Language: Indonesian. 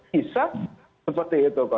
bisa seperti itu